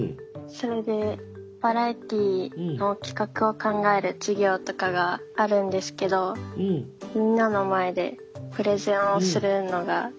それでバラエティーの企画を考える授業とかがあるんですけどみんなの前でプレゼンをするのがちょっと苦手で。